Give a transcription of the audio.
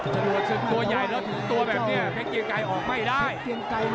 จะดวนสุดตัวใหญ่แล้วถึงตัวแบบนี้แม่เกียงไก่ออกไม่ได้